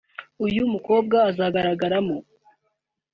uyu mukobwa azagaragaramo